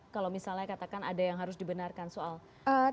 kalau misalnya katakan ada yang harus dibenarkan soal